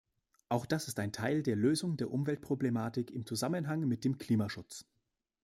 Auch das ist ein Teil der Lösung der Umweltproblematik im Zusammenhang mit dem Klimaschutz.